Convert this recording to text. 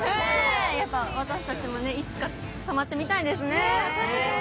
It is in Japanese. やっぱ、私たちもいつか泊まってみたいですね。